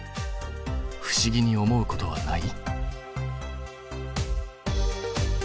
不思議に思うことはない？